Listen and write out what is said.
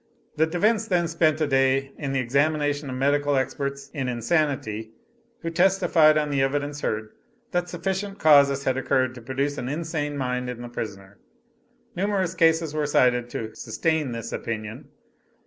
The defense then spent a day in the examination of medical experts in insanity who testified, on the evidence heard, that sufficient causes had occurred to produce an insane mind in the prisoner. Numerous cases were cited to sustain this opinion.